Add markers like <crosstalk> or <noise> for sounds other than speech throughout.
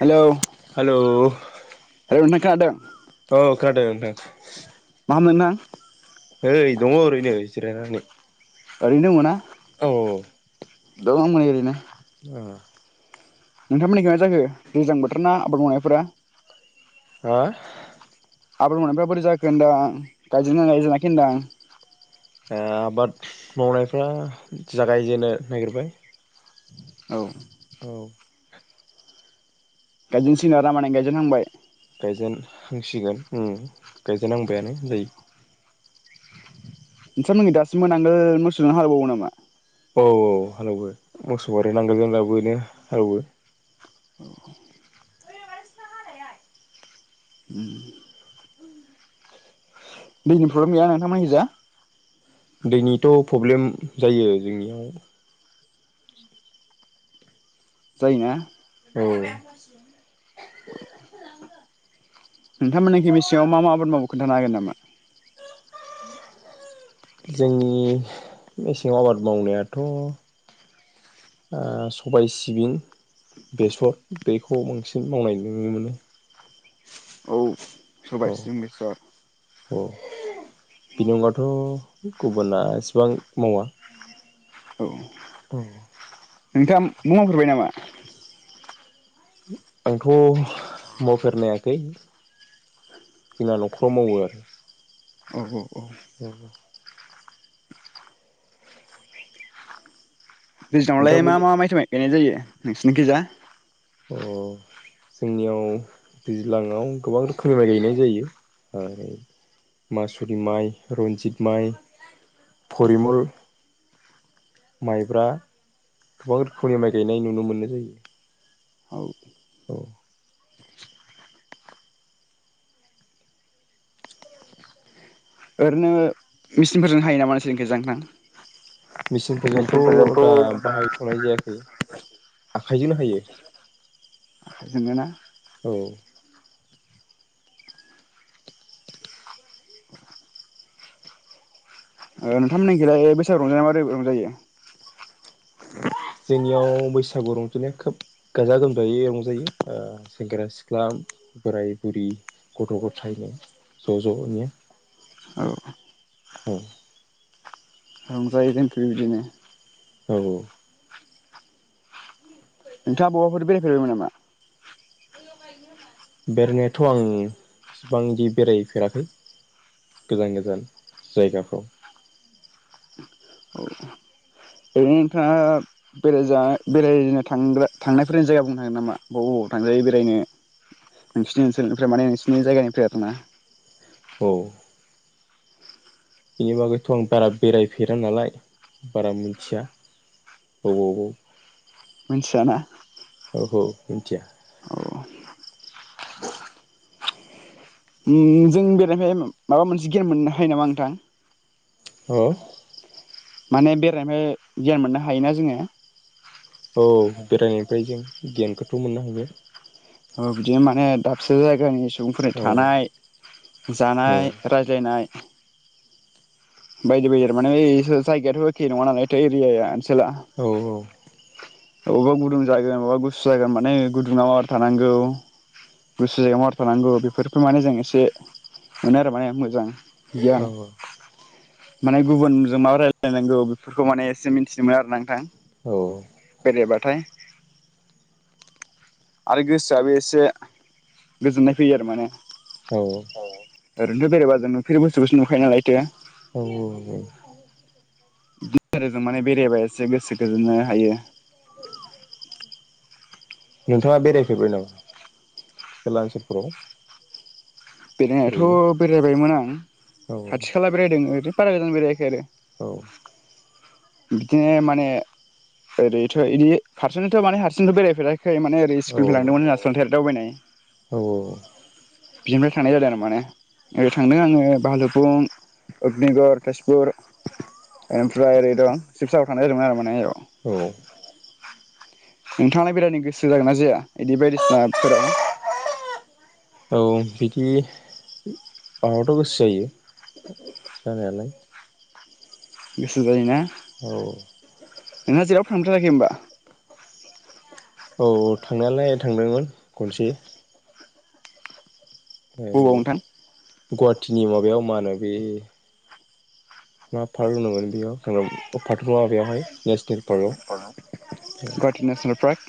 Hello hello hello नोंथां खोनादों औ खोनादों नोंथां मा खालामदों नोंथां नै दङ ओरैनो जिरायनानै ओरैनो दङोना औ दं ओरैनो आ नोंथांमोननिखै मा जाखो दैजां बोथोर ना आबाद मावनायफोरा हा आबाद मावनायफ्रा बोरै जाखोन होनदां गायजेनदोंना गायजेनाखै होनदां आबाद मावनायफ्रा जागायजेनो नागिरबाय औ औ गाइजेनसिगोन आरो ना माने गाइजेनहांबाय गायजेनहांसिगोन उम गायजेनहांबायानो होनजायो <unintelligible> मोसौजोंनो हालबावो नामा औ औ हालौवो मोसौआ आरो नांगोलजों दाबोनो हालेवो दैनि प्रब्लेम गैया नोंथांमोनखिजा दैनिथ' प्रब्लेम जायो जोंनियाव जायो ना औ नोंथांमोनखि मेसेङाव मा मा आबाद मावो खोन्थानो हागोन नामा जोंनि मेसेङाव आबाद मावनायाथ' ओ सबाय सिबिं बेसर बेखौ बांसिन मावनाय नुनो मोनो औ सबाय औ सिबिं बेसवर औ बिनि अनगाथ' गुबुना एसेबां मावा औ अ नोंथाङा मावफेरबाय नामा आंथ' मावफेरनायाखै जोंना न'खराव मावो आरो औ औ औ औ दैज्लांआवलाय मा नोंथांमोननि मा माइथो गायनाय जायो नोंसिनिखै जा अ जोंनियाव दैज्लाङआव गोबां रोखोमनि माइ गायनाय जायो मासुलि माइ रन्जित माइ फरिमल माइब्रा गोबां रोखोमनि माइ गायनाय नुनो मोननाय जायो औ औ ओरैनो मेचिनफोरजों हायो नामा नोंसिनिखै‌ जांख्ला मेचिनफोरजोंथ' दा बाहायथ'नाय जायाखै आखाइजोंनो हायो जोङो ना औ नोंथांमोननि खैलाय बैसागआव रंजानाया मारै रंजायो जोंनियाव बैसागु रंजानाया खोब गाजा गोमजायै रंजायो सेंग्रा सिख्ला बोराय बुरि गथ' गथायनि ज' ज'यै औ औ रंजायो जोंखैबो बिदिनो औ औ नोंथाङा बबावबाफोर बेरायफेरबायमोन नामा बेरायनायाथ' आं इसिबांदि बेरायफेराखै गोजान गोजान जायगाफ्राव औ ओरैनो नोंथाङा बेरायजा बेरायनो थ्राग्रा थांनायफोरनि जायगा बुंनो हागोन नामा बबाव बबाव थांजायो बेरायनो नोंसिनि ओनसोलनिफ्राय माने नोंसिोरनि जायगानिफ्राय आरोना औ बेनि बागैथ' आं बारा बेरायफेरा नालाय बारा मिथिया बबावबाव मिथियाना औ औ मिथिया औ जों बेरायनायनिफ्राय माबा मोनसे गियान मोननो हायो नामा नोंथां औ माने बेरायनायनिफ्राय गियान मोननो हायोना जोङो औ बेरायनायनिफ्राय जों गियानखौथ' मोननो हायो औ बिदि माने दाबसे जायगानि सुबुंफोरनि औ थानाय जानाय रायज्लायनाय बायदि बायदि आरो माने जायगायाथ' एखे नङा नालायथो एरियाया ओनसोला औ औ अबेबा गुदुं जागोन अबेबा गुसु जागोन माने गुदुङाव आरो थानांगौ गोसो जायगायाव माबोरै थानांगौ बेफोरखौ माने जों एसे मोनो आरो माने मोजां औ गियान माने गुबुनजों मा रायलायनांगौ बेफोरखौ माने एसे मिथिदोंमोन आरो नोंथां औ बे बाथाय आरो गोसोआबो एसे गोजोननाय फैयो आरो माने औ ओरैनोथ' बेरायबा जों नुफेरै बस्थुखौसो नुखायो नालायथो औ औ औ बिजों माने बेरायबा एसे गोसो गोजोननो हायो नोंथाङा बेरायफेरबाय नामा खाथि खाला ओनसोलफोराव ओरैनो बेरायनायाथ' बेरायबायमोन आं औ खाथि खाला बेरायदों <unintelligible> बारा गोजान बेरायाखै आरो औ बिदिनो माने ओरैथ' इदि हारसिंनोथ' माने हारसिंथ' बेरायफेरा खै माने ओरै स्कुलनिफ्राय लांदोंमोन <unintelligible> दावबायनाय औ औ औ बि थांनाय जादों आरो माने ओरै थांदों आङो भालुपुं अग्निगर तेजपुर ओमफ्राय ओरै दं शिबसागर थांनाय जादोंमोन आरो माने <unintelligible> औ नोंथाङालाय बेरायनो गोसो जागोन ना जाया इदि बायदिसिनाफोराव औ बिदि माबाथ' गोसो जायो जानायालाय गोसो जायो ना? औ नोंहा जेरावबो थांफेरथाराखै होमबा औ थांनायालाय थांदोंमोन खनसे ओरै बबाव नोंथां गुवाहाटिनि माबायाव मा होनो बे मा पार्क होनोमोन बेयाव थांदोंमोन पार्कथ' नङा बेवहाय नेसनेल पार्कआव गुवाहाटि नेसनेल पार्क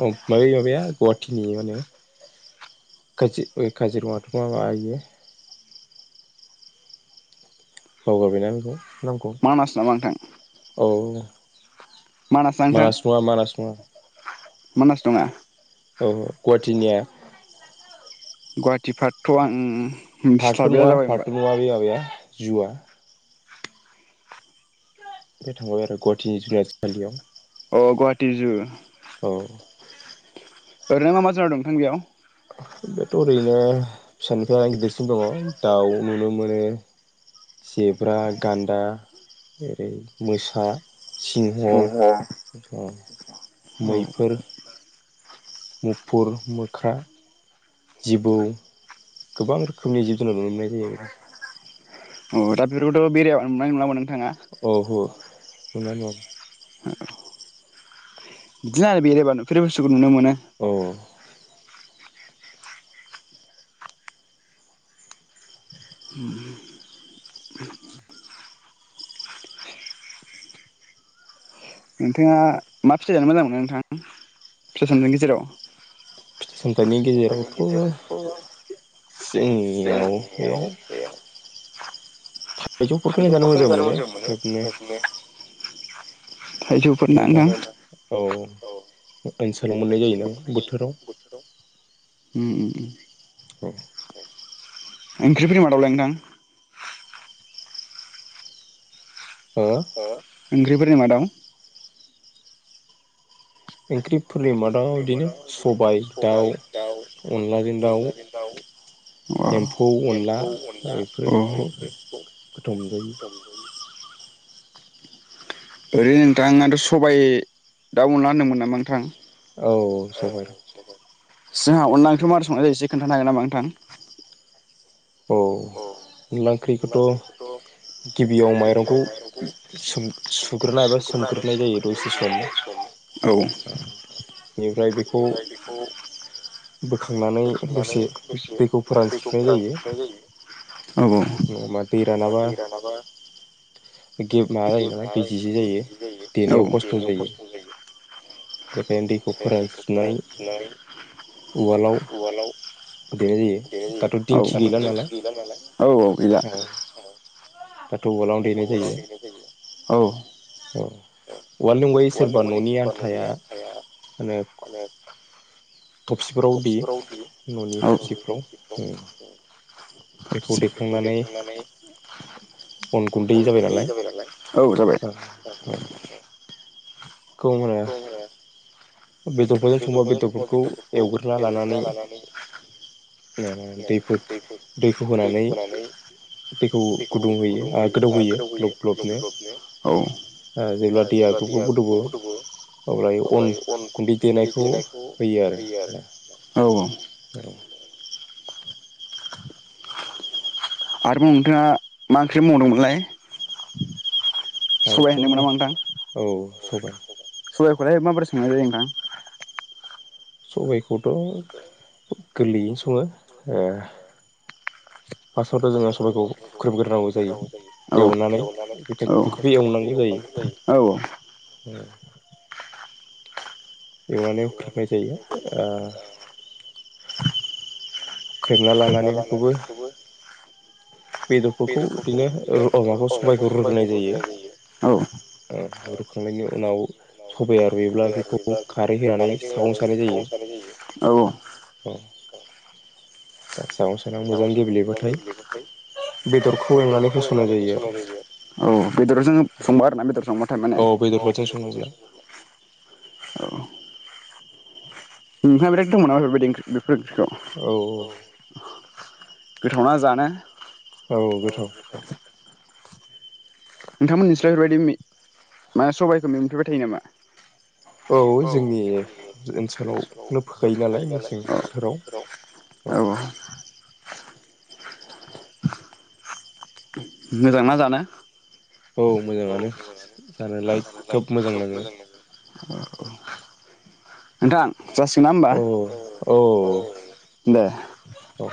औ माबे माबाया गुवाहाटिनि माने काजि काजिरङाथ' माबा इयो बावगारबायना बेखौ नंगौ मानास नामा नोंथां औ ना नोंथां मानास नङा मानास नङा मानास नङा गु-गुवाहाटिनिया गुवाहाटिफारथ' आं उम फाटथ' नङा फाटथ' नङा बे माबाया जुवा बे थांबाय आरो गुवाहाटिनि जुनारसालियाव अ गुवाहाटि जु औ ओरैनो मा मा जाना दं नोंथां बेयाव? बेथ' ओरैनो फिसानिफ्राय गिदिरसिन दङ दाउ नुनो मोनो जेब्रा गान्दा ओरै मोसा सिंह अ औ मैफोर मुफुर मोख्रा जिबौ गोबां रोखोमनि जिब जुनार नुनो मोननाय जायो अ दा बेफोरखौथ' बेरायाबा <unintelligible> औ हो <unintelligible> बिदिनो आरो बेरायबा नुफेरै बुस्थुखौ नुनो मोनो औ नोंथाङा मा फिथाइ जानो मोजां मोनो नोंथां फिथाइ सामथाइनि गेजेराव फिथाइ सामथाइनि गेजेरावथ' जोंनियाव बे थाइजौफोरखौ जानो मोजां मोनो बिदिनो थाइजौफोर नङा ना होमबा नोंथां औ ओनसोलाव मोननाय जायो नालाय बोथोराव ओम ओम औ ओंख्रिफोरनि मादावलाय नोंथां हो ओंख्रिफोरनि मादाव ओंख्रिफोरनि मादाव बिदिनो सबाय दाउ अनलाजों दाउ अनलाजों एम्फौ दाव अनला एम्फौ अनला बेफोरखौ बे गोथाव मोनजायो ओरै नोंथाङाथ' सबायाइ दा अनला होनदोंमोन नामा नोंथां औ सबाय दं जोंहा अनला ओंख्रिखौ माबादि संनाय जायो एसे खोन्थानो हागोन नामा नोंथां औ <unintelligible> ओंख्रिखौथ' गिबियाव माइरंखौ सु-सुग्रोनाय एबा सोमग्रोनाय जायो दसे सम औ बेनिफ्राय बेखौ बोखांनानै दसे दैखौ फोरानस्रोनाय जायो <unintelligible> औ औ औ नङाबा दै रानाबा गेबलेया माबा जायो नालाय दैजिजि जायो देनायाव खस्थ' जायो बेखायनो दैखौ फोरानस्रिनानै उवालाव देनाय जायो देनाय दाथ' जायो दिंखि दाथ' गैला नालाय दिंखि गैला नालाय औ औ गैला दाथ' उवालावनो देनाय जायो औ औ औवालनि अनगायै सोरबा न'नि आन्थाया थफसिफोराव देयो न'नि औ थफसिफ्राव ओय बेखौ देखांनानै अन अनखौ दै जाबाय नालाय औ जाबाय खौहोनो बेदरफोरजों संबा बेदरफोरखौ एवग्रोना लानानै दै दैखौ होनानै दैखौ गुदुं होयो <unintelligible> गोदौबोयो ग्लब ओ ग्लबनो जेब्ला ग्लब ग्लब दैया औ गोदौवो गोदौ अब्ला अन बि देनायखौ होयो आरो दा औ औ आरोबाव नोंथाङा मा ओंख्रि बुंदोंमोनलाय सबाय होनदोंमोन नामा नोंथां सबाइ सबाइखौलाय माबोरै संनाय जायो नों <unintelligible> सबाइखौथ' गोरलैयैनो सङो ओ फार्स्टआवथ' जोङो सबाइखौ हु नांगौ जायो औ एवनानै औ बेखौबो एवनांगौ औ जायो एवनानै हुख्रेबनाय जायो ओ ख्रेबना लानानै बेखौबो बेदरफोरखौ बिदिनो माखौ सबाइखौ रुग्रोनाय जायो औ औ रुखांनायनि उनाव सबाया रुयोब्ला बेखौ खारै होनानै सागं सारनाय औ जायो दा सागं सानायाव मोजां ओम गेब्लेबाथाय एवनानै बेदरखौ होसननाय एवनानै जायो संबा आरो औ बेदरजों संबा आरोना बेदर संबाथाय माने औ और बेदरफोरजों औ सङोब्ला ओमफाय माने औ औ गोथावना जानो औ गोथाव नोंथांमोननिस्राय एबायदि माने सबाइखौ मोनफैबाय थायो नामा औ जोंनि ओनसोलावनो फोखायो नालाय मेसें औ औ <unintelligible> <inaudible> मोजांना जानो औ मोजाङानो जानायलाय खोब मोजां लाङो <unintelligible> जासिगोना होमबा औ औ दे औ